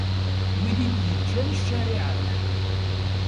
Wid i yeǧǧan ccariɛa-k.